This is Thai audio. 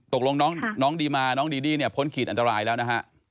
ตกลงน้องดีมาน้องดีดี้เนี่ยพ้นขีดอันตรายแล้วนะฮะ